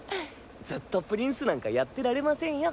ずっとプリンスなんかやってられませんよ。